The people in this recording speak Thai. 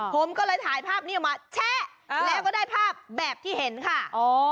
ผมก็เลยถ่ายภาพนี้ออกมาแชะแล้วก็ได้ภาพแบบที่เห็นค่ะ